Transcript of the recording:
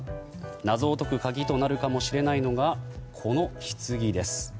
謎を解く鍵となるかもしれないのがこのひつぎです。